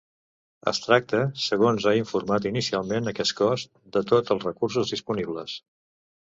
Es tracta, segons ha informat inicialment aquest cos, de “tots els recursos disponibles”.